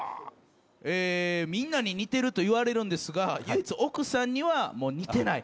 みんなに似てると言われるが唯一奥さんには「似てない。